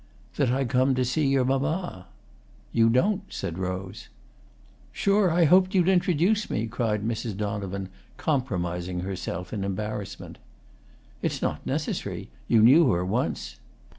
"That I come to see your mamma." "You don't," said Rose. "Sure I hoped you'd introduce me!" cried Mrs. Donovan, compromising herself in her embarrassment. "It's not necessary; you knew her once."